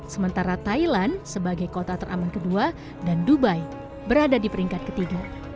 sementara thailand sebagai kota teraman kedua dan dubai berada di peringkat ketiga